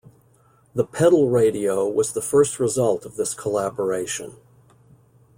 The pedal radio was the first result of this collaboration.